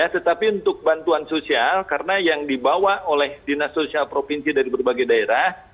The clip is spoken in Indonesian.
tetapi untuk bantuan sosial karena yang dibawa oleh dinas sosial provinsi dari berbagai daerah